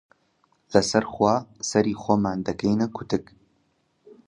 لەسەر خوا، سەری خۆمان دەکەینە کوتک